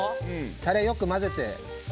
「タレよく混ぜて」？